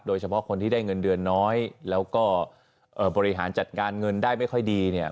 โดยเฉพาะคนที่ได้เงินเดือนน้อยแล้วก็บริหารจัดการเงินได้ไม่ค่อยดีเนี่ย